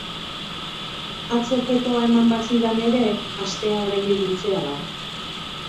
Atzo petoa eman bazidan ere astea oraindik luzea da.